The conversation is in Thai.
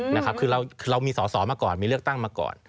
นะครับคือเรามีสอสอมาก่อนมีเลือกตั้งมาก่อน